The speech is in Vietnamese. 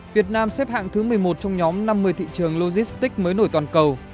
việt nam xếp hạng thứ một mươi một trong nhóm năm mươi thị trường logistics mới nổi toàn cầu